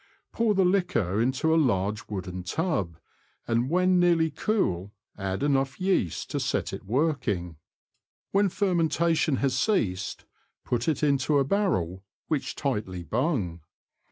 Pour the liquor into a large wooden tub, and when nearly cool add enough yeast to set it working. When fermentation has ceased, put it into a barrel, which tightly bung.